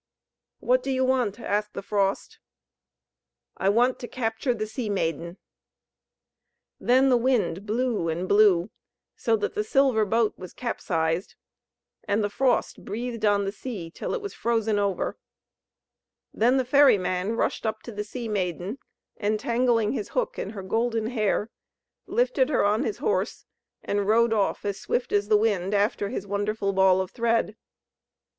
"What do you want?" asked the Frost. "I want to capture the sea maiden." Then the wind blew and blew, so that the silver boat was capsized, and the frost breathed on the sea till it was frozen over. [Illustration: THE MEETING OF THE SISTERS] Then the ferryman rushed up to the sea maiden, entangling his hook in her golden hair; lifted her on his horse, and rode off as swift as the wind after his wonderful ball of thread.